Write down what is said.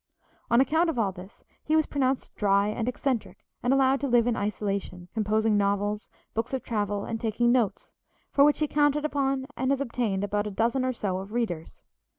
On account of all this he was pronounced dry and eccentric and allowed to live in isolation, composing novels, books of travel and taking notes, for which he counted upon, and has obtained, about a dozen or so of readers.